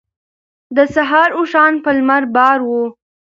د سهار اوښان په لمر بار وو.